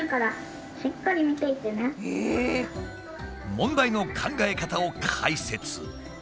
問題の考え方を解説。